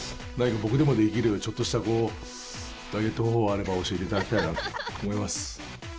何か僕でもできるちょっとしたダイエット方法があれば教えていただきたいなと思います。